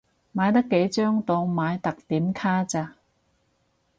買得幾張當買特典卡咋